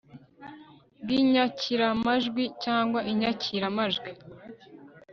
bw inyakiramajwi cyangwa inyakiramajwi